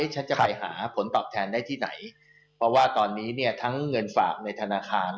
ฉันจะไปหาผลตอบแทนได้ที่ไหน